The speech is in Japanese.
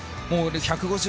１５０